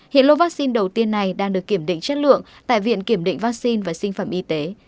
hiện lô vaccine đầu tiên này đang được kiểm định chất lượng tại viện kiểm định vaccine và sinh phẩm y tế